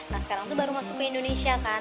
nah sekarang tuh baru masuk ke indonesia kan